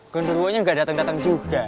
genderwonya gak dateng dateng juga